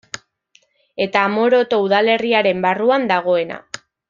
Eta Amoroto udalerriaren barruan dagoena.